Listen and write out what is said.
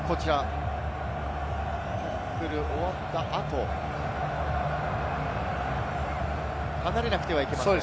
タックル終わった後、離れなくてはいけません。